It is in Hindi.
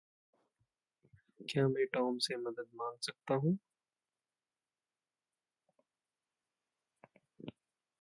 क्या मैं टॉम से मदद माँग सकता हूँ?